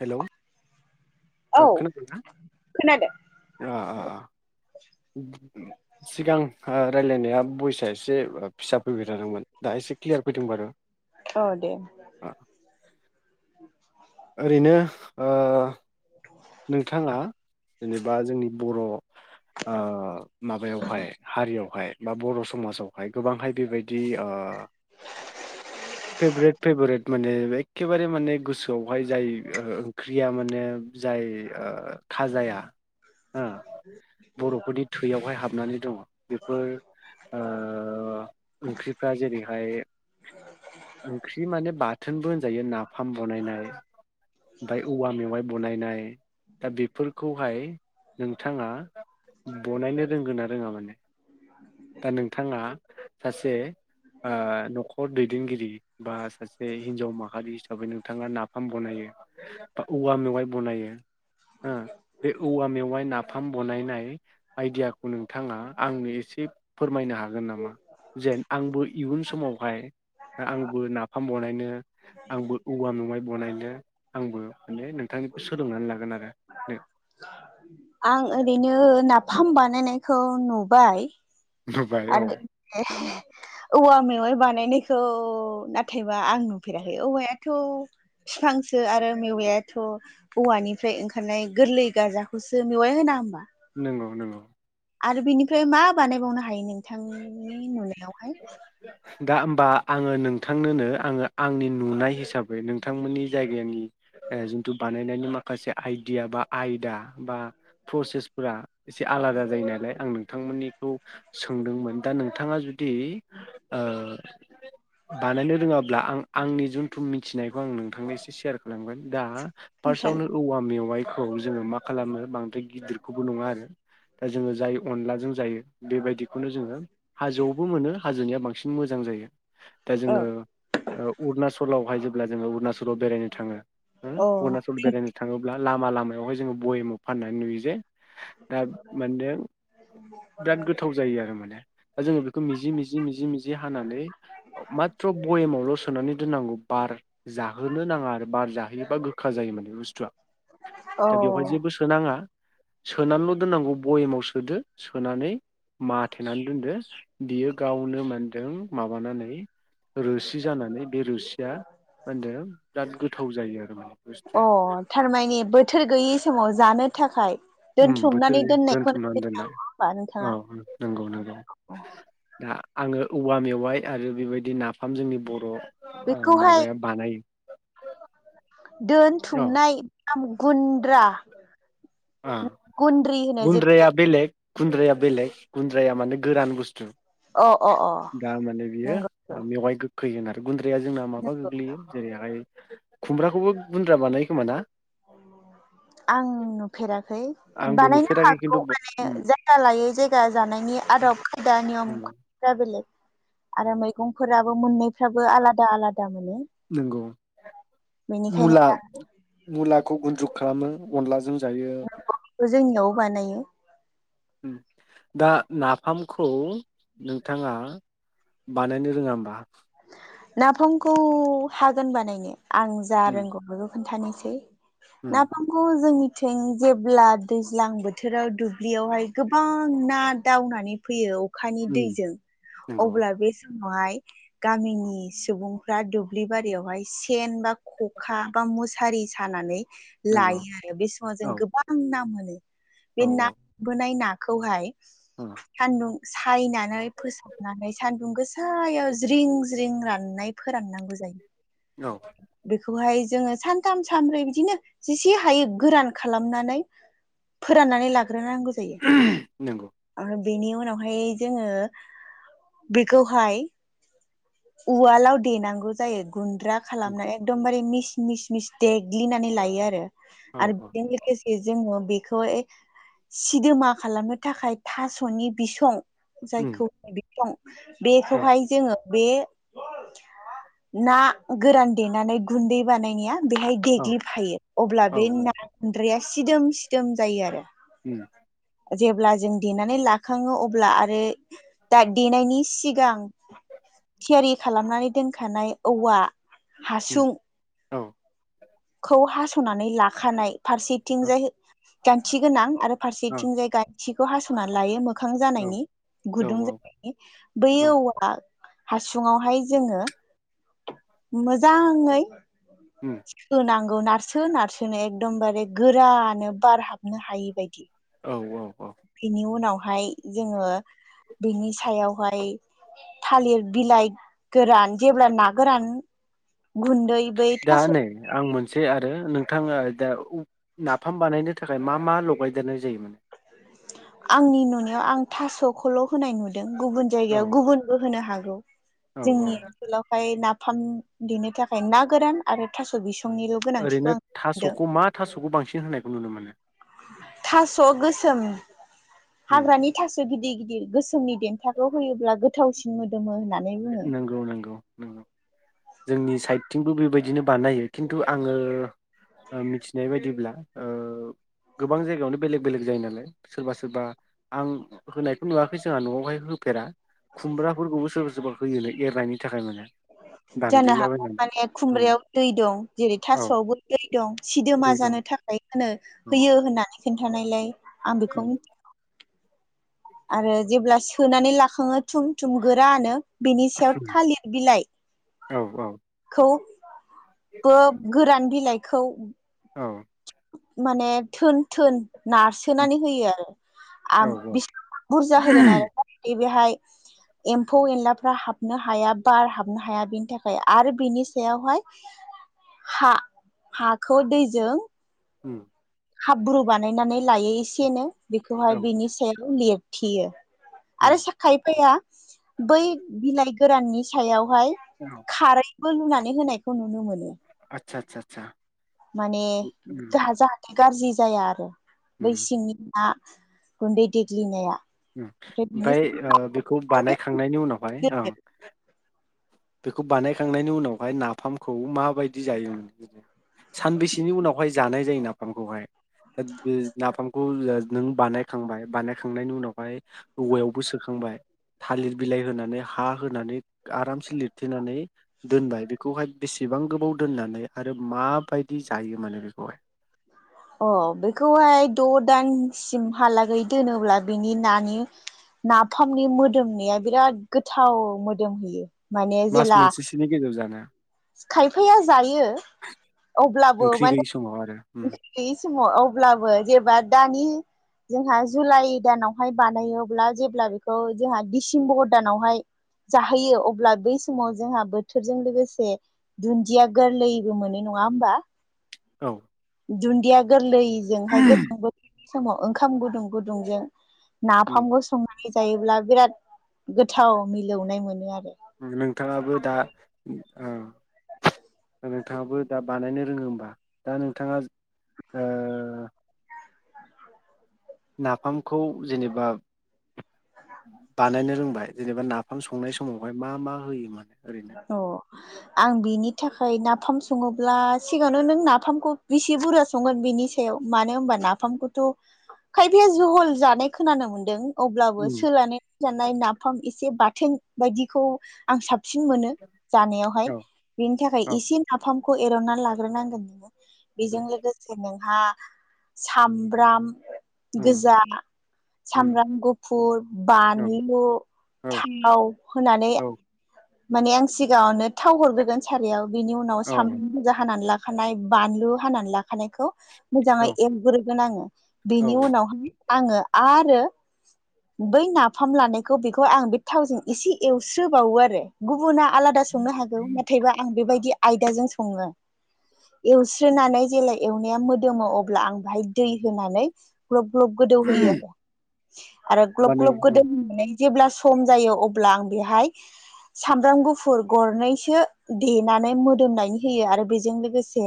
Hello औ ओ खोनादोना खोनादों। ओ अ अ। सिगां ओ रायज्लायनाया बयस एसे फिसा फैबाय थादोंमोन दा एसे क्लियार फैदों बारु। औ दे। ओ ओरैनो ओ नोंथाङा जेनेबा जोंनि बर' ओ माबायावहाय हारियावहाय बा बर' समाजावहाय गोबांहाय बेबायदि ओ फेभरेट फेभरेट माने एखेबारे माने गोसोआवहाय जाय ओंख्रिया माने जाय खाजाया ओ बर'फोरनि थैयावहाय हाबनानै दङ'। बेफोर ओंख्रिफ्रा जेरैहाय ओंख्रि माने बाथोनबो होनजायो नाफाम बनायनाय ओमफ्राय औवा मेवाइ गनायनाय दा बेफोरखौहाय नोंथाङा बनायनो रोंगोन रोङा माने? दा नोंथाङा सासे ओ न'खर दै देगिरि बा सासे हिनजाव माहारि हिसाबै नोंथाङा नाफाम बनायो बा औवा मेवाइ बनायो। ओ बे औवा मेवाय ना फाम बनायनाय आइडियाखौ नोंथाङा आंनो एसे फोरमायनो हागोन नामा जेन आंबो इयुन समावहाय। आंबो नाफाम बनायनो आंबो औवा मेवाइ बनायनो आंबो माने नोंथांनि। आं ओरैनो नाफामबानो। बानायनायखौ नुबाय। नुबाय औ आरो। औवा मेवाइ बानायनायखौ नाथाय। बा आं नुफेराखैबाया। थ' बिफांसो आरो मेवायाथ' औवानिफ्राय ओंखारनाय गोरलै गजाखौसो मेवाइ होना होमबा। नंगौ नंगौ। आरो बिनिफ्राय मा बानायबावनो हायो नों। बिथांनि नुनायावहाय। दा होमबा आङो नोंथांनोनो आङो आंनि नुनाय हिसाबै नोंथांमोननि जायगानि। ए जोंथु बानाय। ननायनि माखासे आइडिया बा आयदा बा। प्रसेसफोरा। एसे आलादा जायो नालाय आं नोंथांमोननिखौ सोंदोंमोन। दा नोंथाङा जुदि बानायनो रोङाब्ला आं आंनि जुनथु मिथिनायखौ आं नोंथांनो एसे सेयार खालामगोन दा। फार्स्टआवनो खोन्थानो औवा मेवाइ खौ जोङो मा खालामो बांद्राय गिदिरखौबो नङा आरो दा जोङो जाय अनलाजों जायो बेबायदिखौनो जोङो। हाजोआवबो मोनो हाजोनिया बांसिन मोजां जायो। दा जोङो अरुणाचलावहाय जो। ब्ला जोङो अरणाचल। अरुचलाव बेरायनो थाङो औ अरुणाचल बेरायनो थाङोब्ला। लामा लामायावहाय जोङो बयेमाव फाननानै नुयो जे दा माने बिराद गोथाव जायो आरो माने दा जोङो बेखौ मिजि मिजि मिजि मिजि हानानै माथ्र बयेमावल' सोनानै दोन। नांगौ बार जाहोनो नाङा आरो बार जाहोयोबा गोखा जायो माने बुस्थुआ। अ दा बेवहाय जेबो सोनाङा सोनानैल' दोननांगौ। बयेमाव सोदो सोनानै। माथेनानै। दो बियो गावनो मा। दों माबानानै। रोसि जानानै बे रोसिया मा होनदों बिराद गोथाव जायो आरो माने अ बुस्थुआ। थारमाने बोथोर गैयि समाव जानो थाखाय ओम दोनथुमनानै बोथोरनि दोननायखौ दोनथुमनानै दोननाय होमबा नोंथाङा औ औ नंगौ नंगौ दा आङो औवा मेवाइ आरो बेबायदि नाफाम जोंनि बर' बेखौहाय माबाया बानायो औ दोनथुमनाय ना गुन्द्रा। ओ गुन्द्रि होनो जेरै गुन्द्रैया बेलेग। गुन्द्राया बेलेग गुन्द्राया माने गोरान बुस्थु। अ अ अ दा माने बियो नंगौ मेवाय गो फैगोन आरो गुन्द्रि या जोंना माबा नंगौ गोग्लैयो जेरैहाय खुमब्राखौबो गुन्द्रा बानायो खोमा ना? आं। फेराखै आंबो बानायनो नुफेराखै खिन्थु हागौ माने उम जायगा लायै जायगा जानायनि आदब खायदा नियम नंगौ खौ बेलेग। [unintelligible] आरो मैगंफोरा बो मोननै। फ्रोबो आलादा आलादा। मोनो नोंगौ। बेनिखायनो मुला मुला। खौ गुन्द्रु खालामना अनलाजों जायो। बेखौ जोंनियाव बानायो। दा नाफामखौ नोंथाङा बानायनो रोङा होमबा? नाफामखौ हागोन बानायनो। आं जा उम रोंगौ खोन्थानोसै। उम नाफामखौ जोंनि थिं जेब्ला दैज्लां बोथोराव दुब्लियावहाय गोबां ना दावनानै फैयो अखानि उम दैजों नंगौ अब्ला बे नाय। गामिनि सुबुंफ्रा दुब्लि बारियावहाय सेन बा ख'खा बा मुसारि सानानै नंगौ लायो आरो बे समाव औ जों गोबां ना मोनो। औ बे ना औ [unintelligible] खौहाय उम सान्दुं सायनानै फोसाबनानै सान्दुं गोसायाव ज्रिं ज्रिं राननाय फोराननांगौ जायो। औ। खौहाय जोङो सानथाम सानब्रै बिदिनो जिसे हायो गोरान खालामनानै फोरनानै नांगौ नंगौ जायो। बेनि उनावहाय जोङो बेखौहाय उवालाव देनांगौ जायो। गुन्द्रा उम खालामना एकदमबारे मिस मिस मिस देग्लिनानै लायो आरो औ आरो औ बे [unintelligible] जोंओ बेखौ सिदोमा खालामनो थाखाय थास'नि बिसं उम जायखौ बिसं औ बेखौहाय जोङो बे ना गोरान देनानै गुन्दै बानायनाया। बेहाय औ देग्लिफायो अब्ला औ बे ना गुनद्राया सिदोम सिदोम जायो आरो। [unintelligible] जेब्ला जों देनानै लाखाङो अब्ला आरो दा देनायनि सिगां थियारि खालामनानै दोनखानाय औवा। औ। खौ हास'नानै लाखानाय। फारसेथिंजाय गान्थि गोनां आरो औ फारसेथिंजाय खौ हास'नानै लायो मो मोखां औ जानायनि गुदुं जानायनि बै औवा। हासुुंआवहाय जोङो मोजाङै। उम। होनांगौ नारसो नारसोनो एकदम बारे गोरानो बार हाबनो हायि बायदि। औ औ। औ बेनि उनावहाय जोङो बिनि सायावहाय थालिर बिलाइ गोरान जेब्ला ना गोरान गुन्दै बै दा थास' नै आं मोनसे आरो नों थां नाफाम बानायनो थाखाय मा मा लगायदेरनाय जायो माने। आंनि नुनायाव आं थास'खौल' होनाय नुदों। गुबुन औ जायगायाव गुबुनबो होनो हागोन। आरो। औ जोंनि औ ओनसोलावहाय ना फाम देनो थाखाय ना गोरान आरो थास' बिस'। ओरैनो थास'खौ मा थास'खौ बांसिन होनायखौ नुनो मोनो। थास' गोसोम। उम हाग्रानि थास' गिदिर गिदिर। [inaudible] नि देन्थाखौ होयोब्ला गोथावसिन मोदोमो। होननानै बुङो नंगौ नंगौ नंगौ जोंनि साइदथिंबो बेबायदि। बिदिनो बानायो खिन्थु आङो मिथिनाय बायदिब्ला गोबां जायगायावनो बेलेग बेलेग जायो नालाय सोरबा सोरबा आं होनायखौ नुवाखै जोंहा न'आवहाय होफेरा। खुमब्राफोरखौबो सोरबा सोरबा एरनायनि थाखाय माने। जानो हागौ दानग्लिलाबायनानै माने उम खुमब्रायाव दै दं जेरै औ थास'आवबो दै दं सिदोमा दै दं जानो थाखाय होनो औ होयो होननानै खिन्थानायलाय। आ बेखौ आरो जेब्ला सोनानै लाखाङो थुम थुम गोरानो। बेनि सायाव उम थालिर औ बिलाइखौ गो गोरान बिलाइखौ औ माने थोन थोन नारसोनानै होयो औ आरो बे बुरजा होगोन आरो बेहाय एम्फौ एनलाफ्रा हाबनो हाया बार हाबनो हाया बेनि थाखाय आरो बेनि सायावहाय हा हाखौ दैजों उ हाब्रु बानायनानै लायो एसेनो बेखौहाय औ बिनि सायाव होयो थियो उम आरो साखायफैया बै बिलाइ गोराननि सायाव हाय औ खारैबो लुनानै होनायखौ नुनो मोनो आदसा आदसा आदसा माने उम जाहा जाहाथे गाज्रि जाया आरो बै उम सिंनि ना गुन्दैदिग्लिनाया ओमफाय ओ बेखौ सायाव बानायखांनायनि उनावहाय ओं बेखौ बानायखांनायनि उनावहाय नाफामखौ माबायदि जायो? सानबैसेनि उनावहाय जानाय जायो नाफामखौहाय [unintelligible] ओ नाफामखौ नों बानायखांबाय बानायखांनायनि उनावहाय औवायावबो सोखांबाय थालिर बिलाइ होनानै हा होनानै आरामसे लिर थेनानै दोनबाय बेखौहाय बेसेबां गोबाव दोननानै आरो माबायदि जायो माने बेखौहाय अ बेखौहाय द दानसिमहालागै दोनोब्ला बेनि नानि नाफामनि मोदोमनाया बिराद गोथाव मोदोमहोयो। मास मोनसेसोनि गेजेराव जाना खायफाया जायो अब्लाबो ओंख्रि माने गैयि समाव आरो उम ओंख्रि गैयि समाव अब्लाबो जेबा दा दानि जोंहा जुलाइ दानावहाय बानायो अब्ला जेब्ला बेखौ जोंहा डसेम्बर दानावहाय जाहोयो अब्ला बै समाव जोंहा बोथोरजों लोगोसे दुन्दिया गोरलैबो मोनो नङा होमबा औ दुन्दिया गोरलै जोंहाय [unintelligible] समाव ओंखाम गुदुं गुदुंजों उम नाफामखौ संना [unintelligible] जायोब्ला बिराद गोथाव मिलौनाय मोनो आर नोंथाङाबो दा ओ नोंथांङाबो दा बानायनो रोङो होमबा दा नोंथांङा ओ नाफामखौ जेनेबा बानायनो रोंबाय जेनेबा नाफाम संनाय समावहाय मा मा होयो माने अ आं बिनि थाखाय ना फाम सङोब्ला सिगाङावनो नों नाफामखौ बेसे बुरजा संगोन बेनि सायाव मानो होनबा नाफामखौथ' खायफाया जहल जानाय खोनानो मोन्दों। अब्लाबो उम सोलाने जानाय नाफाम एसे बाथोन बायदिखौ आं साब सिन मोनो जानायावहाय औ बेनि थाखाय औ एसे नाफाम खौ एरननानै लाग्रोनांगोन नोङो बेजों लोगोसेनो आ सामब्राम उम गोजा उम सामब्राम गुफुर औ बानलु औ थाव होनानै औ माने आं सिगाङावनो थाव हरग्रोगोन सारायाव बेनि उनाव औ औ सामब्राम बुजा हानानै ला खानाय बानलु हानानै लाखानायखौ मोजाङै औ एवग्रोगोन आङो औ बेनि उनावहाय आङो आरो बै नाफाम लानायखौ बेखौ आं बे थावजों एसे एवस्रोबावो आरो। गुबुना आलादा संनो हागौ नाथायबा आं बेबायदि बिदि आयदाजों सङो एवस्रोनानै जेब्ला एवनाया मोदोमो अब्ला आं बेवहाय दै होनानै ग्लब ग्लब गोदौहोयो होमबा आरो। आरो ग्लब नों ग्लब गोदौ होननानै जेब्ला सम जायो अब्ला आं बेहाय सामब्राम गुफुर गरनैसो देनानै मोदोमनायनि होयो आरो बेजों लोगोसे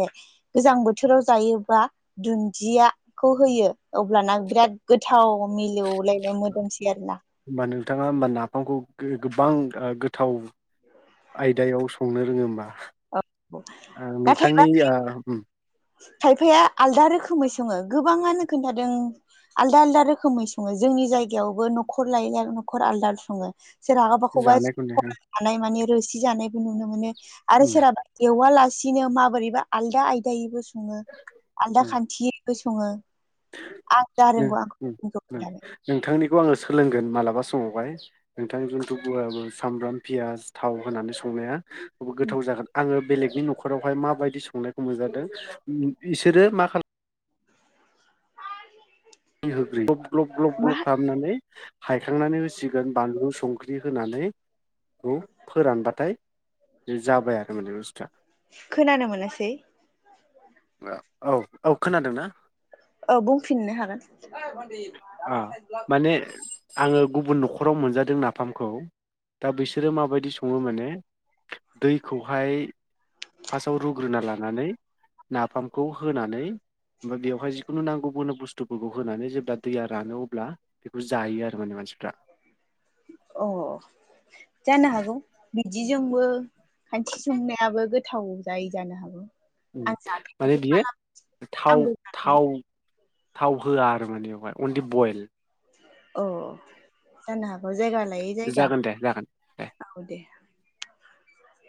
गोजां बोथोराव जायोबा दुन्दियाखौ होयो अब्लाना बिराद गोथाव मिलौलायनाय मोदोमसै आरो ना। होमबा नोंथाङा होमबा नाफामखौ गोबां गोथाव आयदायाव संनो रोङो होमबा। औ नाथाय नोंथांनि खायफाया आलदा रोखोमै सङो गोबाङानो खोनथादों आलदा आलदा रोखोमै सङो जोंनि जायगायावबो न'खर लायै नखर आलदा सङो। जानायखौनो [inaudible] रोसि जानायबो नुनो मोनो। आरो उम सोराबा एवा ला सिनो माबोरैबा आलदा आलदायैबो। सङो आलदा खान्थियै बो सङो। आं जा [inaudible] रोंगौ आं खोन्थाबाय नोंथांनि आङो सोलोंगोन मालाबा समावहाय नोंथांनिजोंथ' सामब्राम पियास थाव होनानै संनाया। गोथाव जागोन, आङो बेलेगनि न'खरावहाय माबायदि संनायखौ मोनजादों बिसोरो मा खालाम [inaudible] [unintelligible] ग्लब ग्ल ग्ल मा खालामनानै हायखांनानै होसिगोन बानलु संख्रि होनानै बेखौ फोरानबाथाय बे जाबाय आरो माने बुस्थुआ खोनानो मोनासै? औ औ खोनादोंना? औ बुंफिननो हाग भन् आ साइ ब माने आङो गुबुन न'खराव मोनजादों नाफामखौ दा बिसोरो माबायदि सङो माने दैखौहाय फार्स्टआव रुग्रोना लानानै नाफामखौ होनानै ओफ्राय बेवहाय जिखुन नांगौ होन बुस्थु फुस्थुफोरखौ होनानै जेब्ला दैया रानो अब्ला बेखौ जायो आरो माने मानसिफ्रा अ जानो हागौ बिदिजोंबो खान्थि संनायाबो गोद थाव जायै जानो हागौ आं माने जाफेराखै बियो मालाबा थाव आंबो जानायगोन थाव थाव होआ आरो माने बेवहाय अनलि बयल अ जानो हाग औ जायगाालाय जायगा जागोन दे जागोन दे औ दे